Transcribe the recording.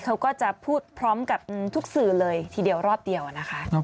เขาก็จะพูดพร้อมกับทุกสื่อเลยทีเดียวรอบเดียวนะคะ